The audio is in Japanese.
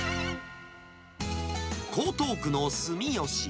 江東区の住吉。